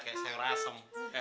kayak saya rasem